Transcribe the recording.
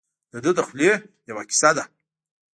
دده د خولې یوه کیسه ده.